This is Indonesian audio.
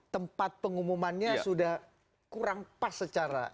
tempat pengumumannya sudah kurang pas secara